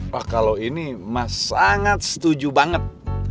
wah kalau ini mas sangat setuju banget